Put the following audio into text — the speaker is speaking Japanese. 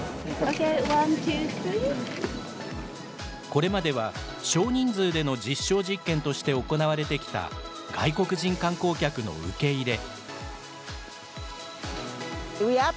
これまでは、少人数での実証実験として行われてきた外国人観光客の受け入れ。